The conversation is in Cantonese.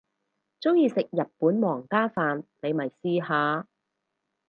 鍾意食日本皇家飯你咪試下